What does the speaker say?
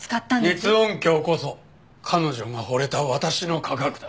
熱音響こそ彼女が惚れた私の科学だ。